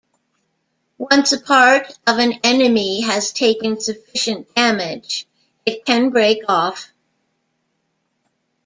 Once a part of an enemy has taken sufficient damage, it can break off.